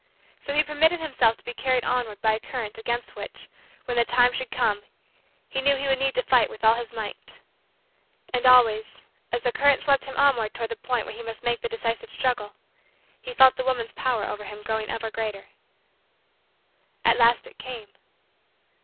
So he permitted himself to be carried onward by a current against which, when the time should come, he knew he would need to fight with all his might. And always, as the current swept him onward toward the point where he must make the decisive struggle, he felt the woman's power over him growing ever greater. At last it came.